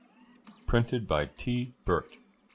Printed by T. Birt, No.